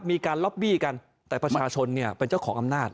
ล็อบบี้กันแต่ประชาชนเนี่ยเป็นเจ้าของอำนาจ